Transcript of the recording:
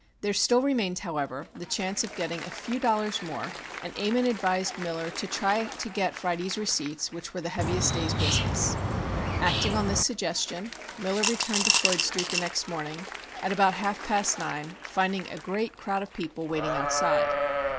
] There still remained, however, the chance of getting a few dollars more and Ammon advised Miller "to try to get Friday's receipts, which were the heaviest day's business." Acting on this suggestion, Miller returned to Floyd Street the next morning at about half past nine, finding a great crowd of people waiting outside.